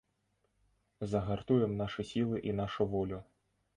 Загартуем нашы сілы і нашу волю!